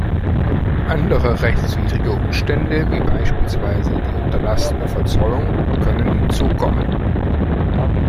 Andere rechtswidrige Umstände, wie beispielsweise die unterlassene Verzollung, können hinzukommen.